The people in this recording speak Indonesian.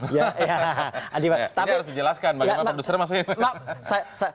ini harus dijelaskan bagaimana produsernya maksudnya